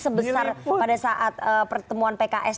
sebesar pada saat pertemuan pks